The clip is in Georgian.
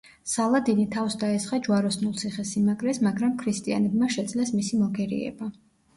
სალადინი თავს დაესხა ჯვაროსნულ ციხე-სიმაგრეს, მაგრამ ქრისტიანებმა შეძლეს მისი მოგერიება.